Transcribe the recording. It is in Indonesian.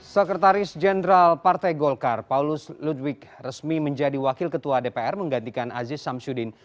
sekretaris jenderal partai golkar paulus ludwig resmi menjadi wakil ketua dpr menggantikan aziz samsudin